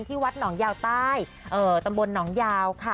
วัดหนองยาวใต้ตำบลหนองยาวค่ะ